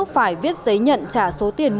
phải viết giấy nhận trả số tiền